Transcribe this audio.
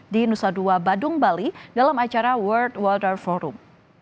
di nusa dua badung bali dalam acara world walter forum